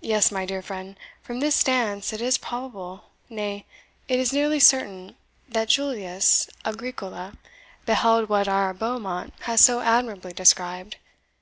Yes, my dear friend, from this stance it is probable nay, it is nearly certain, that Julius Agricola beheld what our Beaumont has so admirably described!